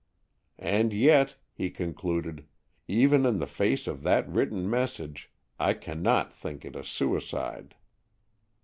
"And yet," he concluded, "even in the face of that written message, I cannot think it a suicide."